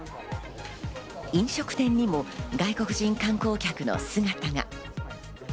飲食店にも外国人観光客の姿が。